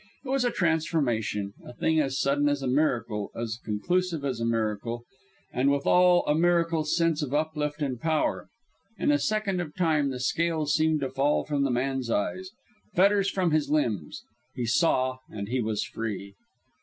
It was a transformation, a thing as sudden as a miracle, as conclusive as a miracle, and with all a miracle's sense of uplift and power. In a second of time the scales seemed to fall from the man's eyes, fetters from his limbs; he saw, and he was free.